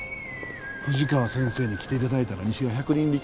富士川先生に来て頂いたら西は１００人力。